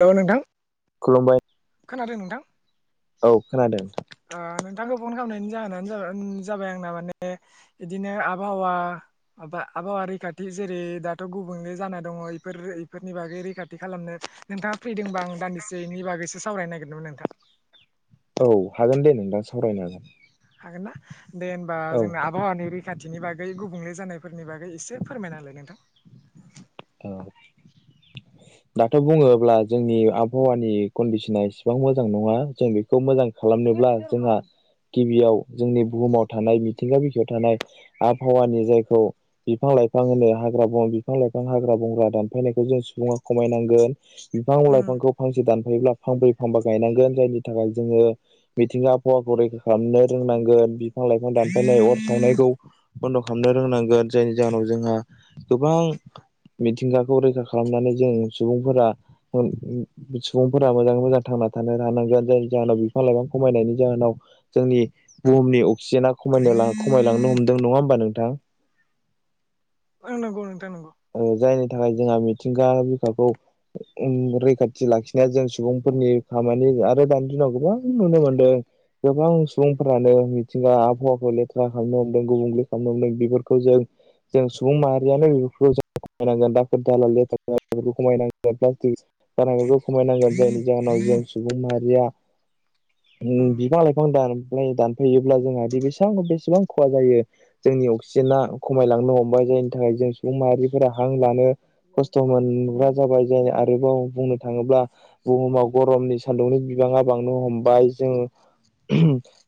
जागोन नोंथां। खुलुमबाय खोनादों नोंथां औ खोनादों नोंथांखौ फन खालामनायनि जाहोनानो जाबाय आंना माने बिदिनो आबहावा आबहावा रैखाथि थि जेरै दाथ' गुबुंले जाना दङ इफोर इफोरनि बागै रैखाथि खालामनो नोंथाङा फ्रि दंबा आं दानदिसे यिनि बागैसो सावरायनो नागिरदोंमोन नोंथां। औ हागोन दे नोंथां सावरायनो हागोन। हागोन ना दे होनबा जोंना औ आबहावानि रि रैखाथिनि बागै गुबुंले जानायफोरनि बागै एसे फोरमायना होलाय नोंथां। औ दाथ' बुङोब्ला जोंनि आबहावानि कन्दिस'ना इसेबां मोजां नङा। जों बेखौ मोजां खालामनोब्ला जोंहा गिबियाव जोंनि बुहुमाव थानाय मिथिंगा बिखायाव थानाय आबहावानि जायखौ बिफां लाइफां होनो हाग्रा बंग्रा बिफां लाइफां बिफां हाग्रा बंग्रा दानफायनायखौ जों सुबुङा खमायनांगोन बिफां उम लाइफांखौ फांसे दानफायोब्ला फांब्रै फांबा गायनांगोन जायनि थाखाय जोङो मिथिंगा आबहावाखौ रैखा खालामनो रोंनांगोन। बिफां बिफां लाइफां दानफायनाय अर सावनायखौ बन्द' खालामनो रोंनांगोन जायनि जाहोनाव जोंहा गोबां मिथिंगाखौ रैखा खालामनानै जों सुबुंफोरा सुबुंफोरा मोजाङै मोजां थांना थानो हानांगोन जायनि जाहाव बिफां लाइफां खमायनायनि जाहोनाव जोंनि बुहुमनि अक्सिजेआ खम ख खमायलांनो हमदों नङा होमबा नोंथां। ओ नंगौ नंगौ। औ जायनि थाखाय जोंहा मिथिंगा रैखाथि लाखिनाया जों सुबुंफोरनि खामानि आरो दानि दिनाव गोबां नुनो मोनदों गोबां सुबुंफ्रानो मिथिंगा आबहावाखौ लेथ्रा खालामनो हमदों गुबुंले खालामनो हमदों। बेफोरखौ जों जों सुबुं माहारियानो बेफोरखौ खमायनांगोन दाखोर दाला लेथार जनायखौ खमायनांगोन प्लास्टिक गारनायखौ खमायनांगोन जायनि जाहोन नाय जों सुबुं माहारिया [inaudible] उम बिफां लायफांआव दां द दानफैयोब्ला जोंहादि बेसेबां बेसेबां खहा जायो। जोंनि अक्सिजेना खमायलांनो हमबाय जायनि थाखाय जों सुबुं माहारि फोरा हां लानो खस्थ' मोनग्रा जाबाय जाय आरोबाव बुंनो थाङोब्ला बुहुमाव गरमनि सान्दुंनि बिबाङा बांनो हमबाय जोंङो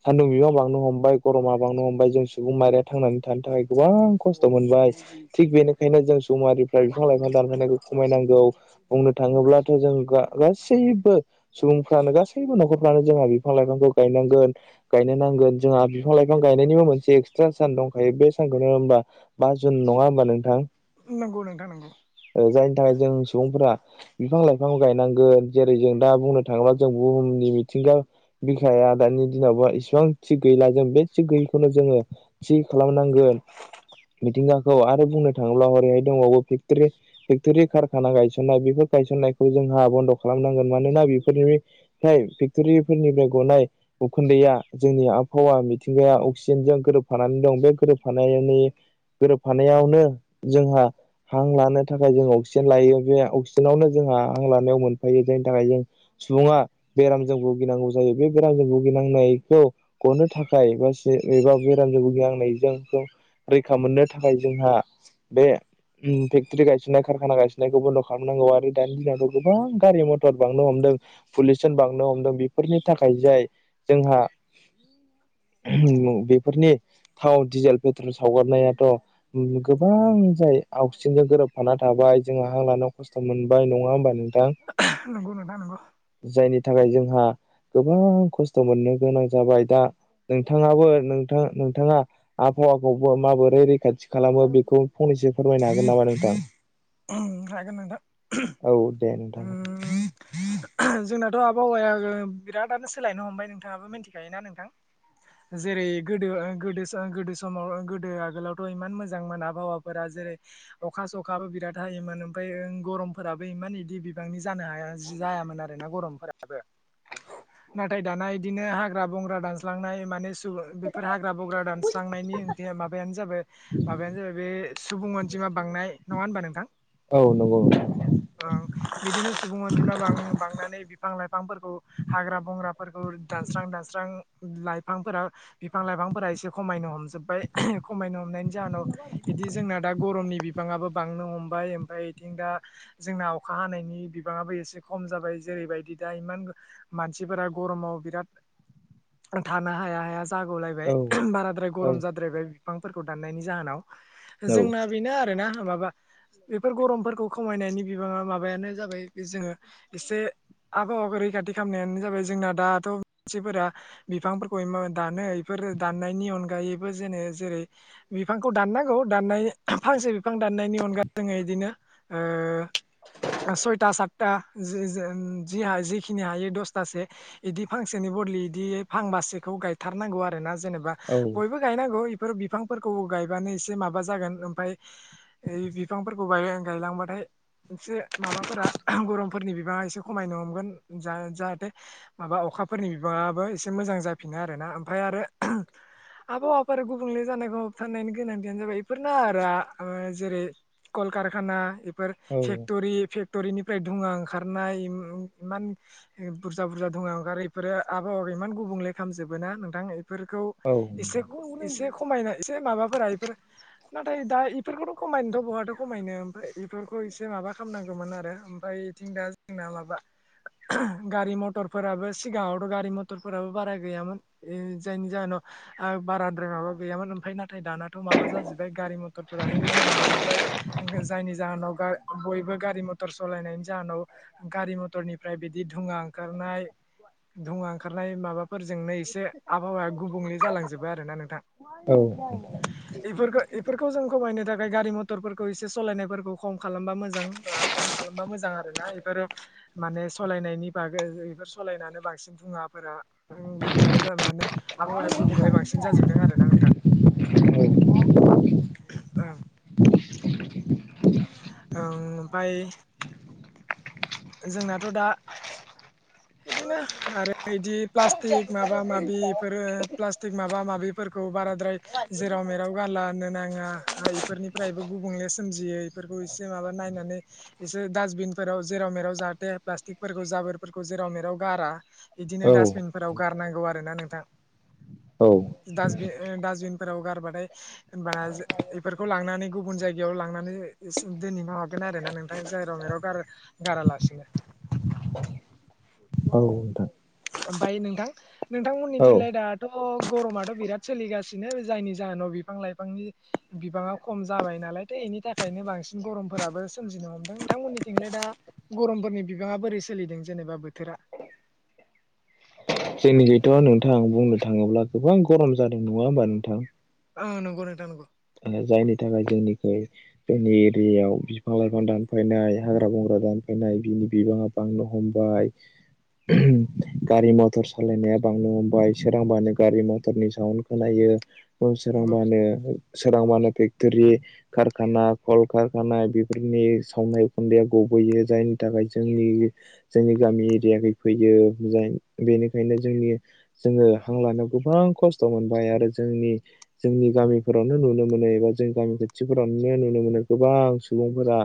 सान्दुं बिबांआ बांनो हमबाय गरमा बांनो हमबाय जों सुबुं माहारिया थांनानै थानो थाखाय गोबां खस्थ' मोनबाय थिग बेनो बेंखायनो जों सुबुंमाहारिफ्रा बिफां लाइफां दानफायनायखौ खमायनांगौ बुंनो थाङोब्लाथ' जों गा-गासै गासैबो सुबुंफ्रानो गासैबो न'खरफ्रानो जोंहा बिफां लाइफांखौ गायनांगोन गायनो नांगोन जोंहा बिफां लाइफां बिफां गायनायनिबो मोनसे एक्सट्रा सान दंखायो बे सानखौनो होनबा बा जुन नङा हबा नोंथां। नंगौ नोंथां नंगौ। ओ जायनि थाखाय जों सुबुंफोरा बिफां लाइफां गायनांगोन जेरै जों दा बुंनो थाङोब्ला जों बुहुमनि मिथिंगा बिखाया दानि दिनावबा इसेबां थिग गैला जों बे थिग गैयैखौनो जोङो थि खालाम नांगोन मिथिंगाखौ आरो बुंनो थाङोब्लारैहाय दंबावो पैक्टरि पैक्टरि कारखाना गायसननाय बेफोर गायसननायखौ जोंहा बन्द' खालाम नांगोन मानोना बेफोरनि फ्राय फेक्टरिफोरनिफ्राय गनाय उखुन्दैआ जोंनि आब आबहावा मिथिंगाया अक्सिजेनजों गोरोबफानानै दं बे गोरोबफानायनि गोरोबफानायावनो जोंहा हां लानो थाखाय जों अक्सिजेन लायो बे अक्सिजेनावनो जोंहा हां लानायाव मोनफायो थाखाय जों सुबुंआ बेरामजों भुगिनांगौ जायो बे बेरामजों भुगिनांनायखौ गनो थाखाय बा एबा बेरामजों भुगिनांनायजों खौ रैखा मोननो थाखाय जोंहा बे म फेक्ट्रि गायसननाय कारखाना गायस'ननायखौ बन्द' खालामनांगौ आरो दानि दिनावथ' गोबां गारि मथर बांनो हमदों पलिउसन बांनो हमदों बेफोरनि थाखाय जाय जोंहा [inaudible] बेफोरनि थाव डिजेल पेट्रल सावगारनायाथ' गोबां गोबां जाय आवगक्सिजेन जों गोरोबफाना थाबाय जोंहा हां लानायाव खस्थ' मोनबाय नङा होमबा नोंथां नंगौ नोंथां नोंगौ जायनि थाखाय जोंहा गोबां खस्थ' मोननो गोनां जाबाय दा नोंथाङाबो नोंथां नोंथाङा आबहावाखौबो माबोरै रैखाथि खालामो बे खौ फंनैसो फोरमायनो हागोन नामा नोंथां? हागोन नोंथां औ दे नोंथां उम जोंना- थ' आबहावाया बिरादानो सोलायनो हमबाय नोंथाङाबो मिथिखायोना नोंथां? जेरै गोदो गोदो सा गोदो समाव गोदो आगोलावथ' इमान मोजां मोन आबहावाफोरा जेरै अखा सखाबो बिराद हायोमोन ओमफ्रायो गरमफोराबो इमान इदि बिबांनि जानो हाया जायामोन आरोना गरमफोराबो नाथाय दाना इदिनो हाग्रा बंग्रा दानस्रांनाय माने बेफोर हाग्रा बंग्रा दानस्रांनायनि ओंथिया माबायानो जाबाय माबायानो जाबाय बे सुबुं अनजिमा बांनाय। नङा होनबा नोंथां? औ नंगौ। [inaudible] ओ बिदिनो सुबुं अनजिमा बां बांनानै बिफां लाइफांफोरखौ हाग्रा बंग्राफोरखौ दानस्रां दानस्रां लाइफांफोरा बिफां लाइफांफोरा एसे खमायनो हमजोब- बाय खमायनो हमनायनि जाहोनाव बिदि जोंना दा गरमनि बिबाङाबो बांनो हम बाय ओमफ्राय इथिं दा जोंना अखा हानायनि बिबाङाबो एसे खम जाबाय जेरैबादि दा इमान मानसिफोरा गरमाव बिराद थानो हाया हाया जागुलायबाय औ बाराद्राय औ गरम जाद्रायबाय बिफांफोरखौ दाननायनि जाहोनाव औ जोंना बेनो आरोना माबा बेफोर गरमफोरखौ खमायनायनि बिबाङा माबायानो जाबाय बे जोङो एसे आबहावाखौ रैखाथि खालामनायानो जाबाय जोंना दाथ' मानसिफोरा बिफांफोरखौ इमान दानो इफोर दाननायनि अनगायैबो जेनो जेरै बिफांखौ दानांगौ दाननाय फांसे बिफां दाननायनि अनगा ओ सयथा सातथा जो जो जिहा जिखिनि हायो दसथासो बिदि फांसेनि बदलि बिदि फांबासोखौ गायथारनांगौ आरोना जेनबा बयबो गायनांगौ बेफोर बिफांफोरखौ गायबानो एसे माबा जागोन ओमफ्राय ऐ बिफांफोरखौ गायलांबाथाय एसे माबाफोरा गरमफोरनि बिबाङा एसे खमायनो हमगोन जाहाथे माबा अखाफोरनि बिबाङाबो एसे मोजां जाफिनो आरोना ओमफ्राय आरो आबहावाफोर गुबुंले जानायखौ होबथानायनि गोनांथियानो जाबाय बेफोरनो आरो जेरै क'लकारखाना बेफोर फेक्ट'रि पेक्ट'रिनिफ्राय धुङा ओंखारनाय इमान बुरजा बुरजा धुङा ओंखारो इफोरो आबहावाखौ इमान गुबुंले खालामजोबोना नोंथां बेफोरखौ एसे एसे खमायना एसे माबाफोरा बेफोर नाथाय दा इफोरखौथ' खमायनोथ' बहाथो खमायनो ओमफ्राय बेफोरखौ एसे माबा खालामनांगौ मोन आरो ओमफ्राय बेथिं दा जोंना माबा गारि मथरफोराबो सिगाङावथ' गारि मथरफोराबो बारा गैयामोन जायनि जाहोनाव ओ बाराद्राय माबा गैयामोन ओमफ्राय नाथाय दानाथ' माबा जाजोबबाय गारि मथरफोरानो इमान बांजोबबाय जायनि जाहोनाव बयबो गारि मथर सालायनायनि जाहोनाव गारि मथरनिफ्राय बिदि धुङा ओंखारनाय धुङा ओंखारनाय माबाफोरजोंनो एसे आबहावाया गुबुंले जालांजोबबाय आरोना नोंथां। औ बेफोरखौ बेफोरखौ जों खमायनो थाखाय गारि मथरफोरखौ एसे सालायनायफोरखौ खम खालामबा मोजां खम खालामबा मोजां आरोना इफोरो माने सालायनायनि बागै बेफोर सालायनानो बांसिन दुङा। फोरा गुबुंले जानानै आबहावाया गुबुंले बांसिन जाजोबदों आरोना नोंथां। औ ओं ओमफ्राय जोंनाथ' दा बिदिनो आरो बिदि प्लास्टिक माबा माबिफोरो प्लास्टिक माबा माबिफोर बाराद्राय जेराव मेराव गारलानो नाङा इफोरनिफ्रायबो गुबुंले सोमजियो बेफोरखौ माबा नायनानै इसे दासबिन सोरांव जेराव मेराव जाहाथे प्लास्टिकफोरखौ जाबोरफोरखौ जेराव मेराव गारा बिदिनो औ डास्टबिनफोराव गारनांगौ। आरोना नोंथां औ दास डास्बिनफोराव गारबाथाय हबाना बेफोरखौ लांनानै गुबुन जायगायाव लांनानै दिनै मा हागोन आरो ना नोंथां जाय राव मेराव गार गारालासिनो औ नोंथां ओमफफ्राय नोंथां औ नोंथांमोननिथिलाय दाथ' गरमाथ' बिराद सोलिगासिनो जायनि जाहोनाव। बिफां लाइफांनि बिबाङा खम जाबाय नालाय थ' बेनि थाखायनो बांसिन गरमफोराबो सोमजिनो हम नोंथांमोननिथिंलाय दा गरमफोरनि बिबाङा बोरै सोलिदों जेनेबा बोथोरा? जोंनि गैथ' नोंथां बुंनो थाङोब्ला गोबां गरम जादों नङा होमबा नोंथां। औ नंगौ न दा नंगौ। जायनि थाखाय जोंनिख जोंनि एरियाायाव बिफां लाइफां दानफायनाय हाग्रा बंग्रा दान फैनाय बिनि बिबाङा बांनो हमबाय गारि मथर सालायनाया बांनो हमबाय सोरांबानो गारि मथरनि साउन्ड खोनायो। नंगौ सोरांबानो सोरांबानो फेक्ट'रि कारखाना खल कारखानाया बेफोरनि सावनाय खुन्दया गुबुन जायनि थाखाय ज जोंनि गामि एरियै फैयो बेनिखायनो ज जोङो हां लानायाव गोबां खस्थ' मोनबाय आरो जोंनि जोंनि गामिफोर ावनो नुनो मोनो एबा जोंनि गामि खाोथिफोरावनो नुनो मोनो गोबां सुबुंफोरा।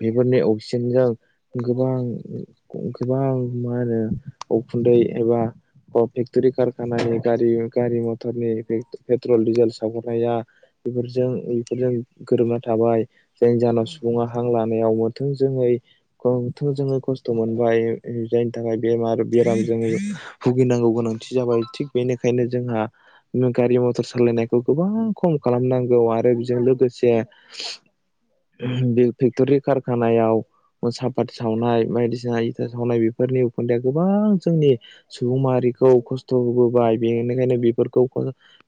बेफोरनि अक्सिजेनजों गोबां गोबां मा होनो उखुन्दै एबा अ फेक्टि खखाना ने ग गारि मटारनि पेट्रल डिजेल सावगरनाया बेफोरजों बेफोरजों गोरोबना थाबाय। जोंनि जाहानाव सुबुङा हां लानायावमोन थोंजोङै थोंजोङै खस्थ' मोनबाय जायनि थाखाय बेमार बेराम ज। भुगिनांगौ गोनांथि जाबाय थिग बेनिखायनो जोंहा गारि मथर सालायनाय। खौ गोबां खम खालामनांगौ आरो बेजों लोगोसे बे फेक्टरि कारखानायाव सापात सावनाय बायदिसिना इथा सावनाय बेफोरनि उखोन्दआ गोबां जोंनि सुबुंङारि खस्थ' होबोबाय बेनिखायनो बेफोरखौ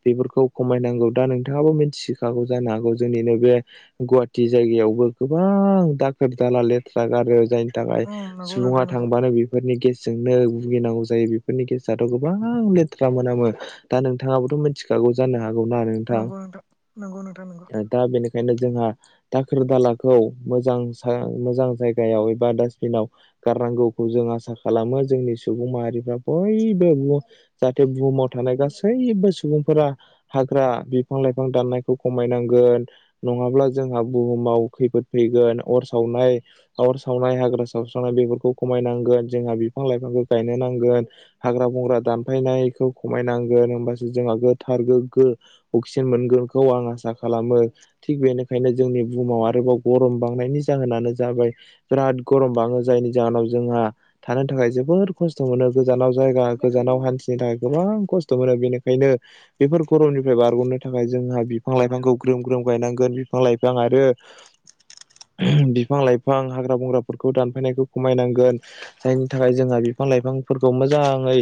बेफोरखौ खमायनांगौ दा नोंथाङाबो मिथिखागौ जानो हागौ जोंनिनोै बे गुवाहाटिी जायगायावबो गोबां गोबां दाखोर दाला लेथ्रा गारियाव जायनि थाखाय ओं नंगौ सुबुङा नोंथां नंगौ थांबानो बेफोरनि गे जोंनो भुगिनांगौ जायो बेफोरनि गेजेरथ' गोबां लेथ्रा मोनामो दा नोंथाङाबोथ' मिथिखागौ। जानो हागौना नोंथां नंगौ नोंथां नंगौ नोंथां नंगौ दा बेनिखायनो जोंहा दाखोर दालाखौ म मोजां जायगायाव एबा दास्बिनाव गार नांगौखौ जों आसा खालामो जोंनि सुबुं माहारिफ्रा बयबो जाहाथे बुहुमाव थानाय गासैबो सुबुंफोरा हाग्रा बिफां लाइफां दाननायखौ खमायनांगोन नङाब्ला जोंहा बुहुमाव खैफोद ै सावनाय हाग्रा सावस्रांनाय बेफोरखौ खमायनांगोन जोंहा बिफां लाइ फांखौ गायनो नांगोन हाग्रा बंग्रा दानफायनायखौ खमायनांगोन होमबासो जोंहा गो थारलोगो अक्सिजेन मोनगोनखौ आं आसा खालामो थिग बेनिखायनो जोंनि बुहुमाव आरो गरम बांनायनि जाहोनानो जाबाय बिराद गरम बाङो जायनि जाहोनाव जोंहा थानो था ्खाय जोबोद खस्थ' मोनो गोजानाव जायगा गोजानाव हान्थिनो थाखाय गोबां खस्थ' मोनो बेनिखायनो बेफोर गरमनिफ्राय बारग'नो थाखाय जोंहा बिफां लाइफांखौ ग्रोम ग्रोम गायनांगोन बिफां लाइफां आरो बिफां लाइफां हाग्रा बंग्राफोरखौ दानफायनायखौ खमायनांगोन जायनि थाखाय जोंहा बिफां लाइफांफोरखौ मोजाङै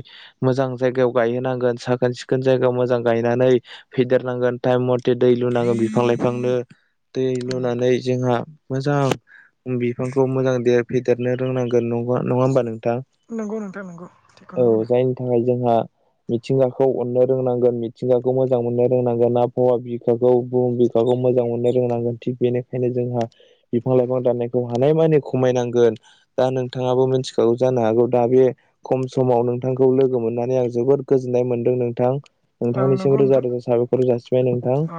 मोजां जायगायाव गायहोनांगोन साखोन सिखोन जायगायाव मोजां गायनानै फेदेरनांगोन टाइम मथे दै लुनांगोन बिफां लाइफांनो दै उम नुनानै जोंहा मोजां बिफांखौ मोजां फेदेरनो रोंनांगोन ना नङा होमबा नों थां नंगौ नोंथां नंगौ औ थिगखौनो बुंदों जायनि थाखाय जोंहा मिथिंगाखौ अन्नो रोंनांगोन मिथिंगाखौ मोजां मोननो रोंनांगोन ना फवा बिखाखौ बुहुम बिखाखौ मोजां मोननो रोंनांगोन थिग बेनिखायनो जोंहा बिफां लाइफां दाननायखौ हानायमानि खमायनांगोन दा नोंथाङाबो मिथिखागौ जानो हाग गौ दा बे खम समाव नोंथांखौ लोगो मोननानै आं जोबोद गोजोननाय मोनदों नोंथां। नोंथांनिसिमोज रोजा रोजा जासिबाय नोंथां औ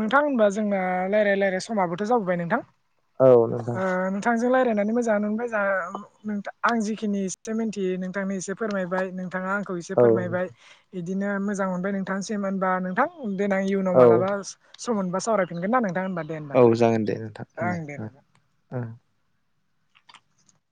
नोंथां होनबा जोंना रायजलायलायलाय समाबोथ' जाबोबाय नोंथां औ नोंथां ओ नोंथांजोंलाय फनानै मोजाङानो मोनबायों आं जिखिनि एसे मिथियो नोंथांनो एसे फोरमायबाय नों नोंथाङा आंखौ एसे औ फोरमायबाय बिदिनो मोजां मोनबाय नोंथांसिम होनबा नोंथां? देनां इयुनाव औ माब सम मोनबा सावरायफिनगोन ना नों [unintelligible] दे हब औ ना जागोन दे नोंथां ओ दे होनबा ओ